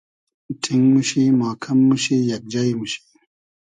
ݖینگ موشی, ماکئم موشی, یئگ جݷ موشی